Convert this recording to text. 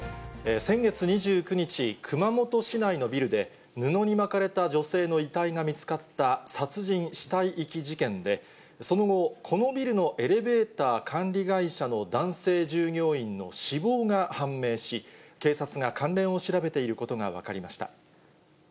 先月２９日、熊本市内のビルで布にまかれた女性の遺体が見つかった殺人・死体遺棄事件で、その後、このビルのエレベーター管理会社の男性従業員の死亡が判明し、警察が関連を調べていることが分かりました。